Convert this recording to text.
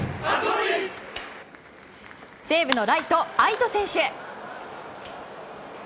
西武のライト愛斗選手。